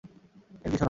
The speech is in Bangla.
এঁর কিছু না।